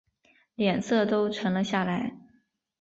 脸色都沉了下来